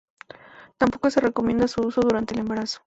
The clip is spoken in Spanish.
Tampoco se recomienda su uso durante el embarazo.